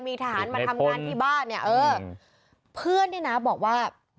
มีทหารมาทำงานที่บ้านเนี่ยเออเพื่อนเนี่ยนะบอกว่า